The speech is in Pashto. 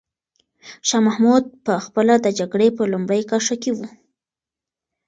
شاه محمود په خپله د جګړې په لومړۍ کرښه کې و.